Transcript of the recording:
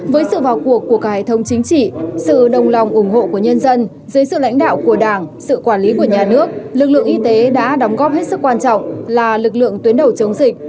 với sự vào cuộc của cải thống chính trị sự đồng lòng ủng hộ của nhân dân dưới sự lãnh đạo của đảng sự quản lý của nhà nước lực lượng y tế đã đóng góp hết sức quan trọng là lực lượng tuyến đầu chống dịch